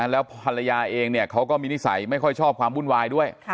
แล้วภรรยาเองเขาก็มีนิสัยไม่ค่อยชอบความวุ่นวายด้วย